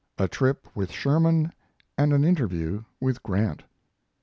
A TRIP WITH SHERMAN AND AN INTERVIEW WITH GRANT.